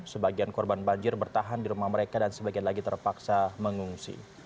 sebagian korban banjir bertahan di rumah mereka dan sebagian lagi terpaksa mengungsi